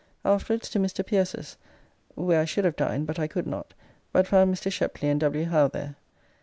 Afterwards to Mr. Pierces, where I should have dined but I could not, but found Mr. Sheply and W. Howe there.